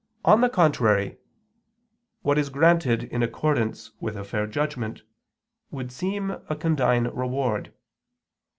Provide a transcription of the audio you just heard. On the contrary, What is granted in accordance with a fair judgment, would seem a condign reward.